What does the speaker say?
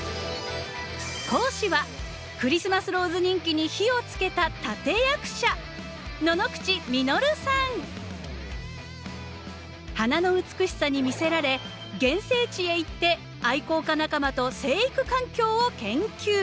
講師はクリスマスローズ人気に火をつけた立て役者花の美しさに魅せられ原生地へ行って愛好家仲間と生育環境を研究。